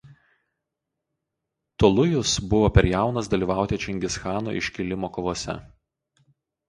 Tolujus buvo per jaunas dalyvauti Čingischano iškilimo kovose.